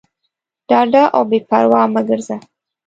ډاډه او بېپروا مه ګرځه.